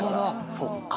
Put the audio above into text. そっか。